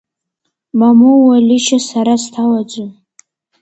Мамоу, Уалишьа, сара сҭалаӡом.